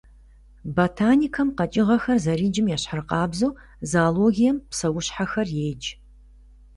Ботаникэм къэкӏыгъэхэр зэриджым ещхьыркъабзэу, зоологием псэущхьэхэр едж.